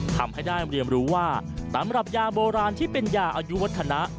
ทำให้ได้เรียนรู้ว่าตำรับยาโบราณที่เป็นยาอายุวัฒนะ